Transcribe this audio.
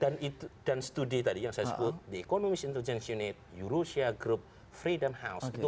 dan itu dan studi tadi yang saya sebut dikoneksi interjensi unit eurasia group freedom house itu